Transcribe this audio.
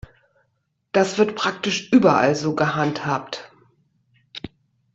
Das wird praktisch überall so gehandhabt.